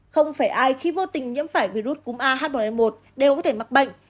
không phải ai khi vô tình nhiễm phải virus cúm ah một n một đều có thể mắc bệnh